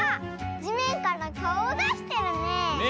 じめんからかおをだしてるね。